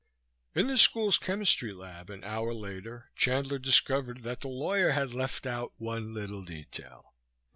... In the school's chemistry lab, an hour later, Chandler discovered that the lawyer had left out one little detail.